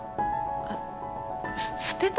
えっ捨てた？